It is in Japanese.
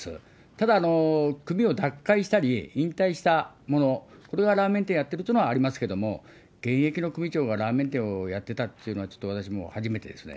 ただ、組を脱会したり、引退した者、これがラーメン店をやっているというのはありますけども、現役の組長がラーメン店をやってたというのは、私も初めてですね。